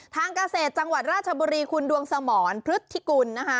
ทางเกษตรจังหวัดราชบุรีคุณดวงสมรพฤทธิกุลนะคะ